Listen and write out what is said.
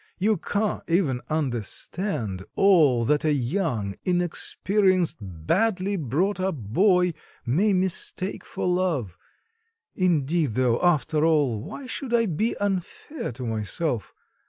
You can't even understand all that a young, inexperienced, badly brought up boy may mistake for love! Indeed though, after all, why should I be unfair to myself?